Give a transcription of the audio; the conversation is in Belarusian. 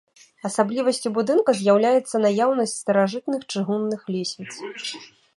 Асаблівасцю будынка з'яўляецца наяўнасць старажытных чыгунны лесвіц.